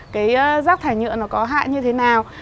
cái rác thải nhựa nó có hại như thế nào